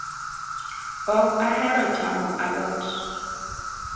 Ok ahero chamo alot